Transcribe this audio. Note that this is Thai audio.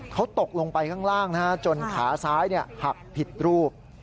เขาตกลงไปข้างล่างจนขาซ้ายหักผิดรูป